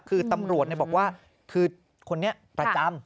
คือตำรวจบอกว่าคือคนนี้ประจำ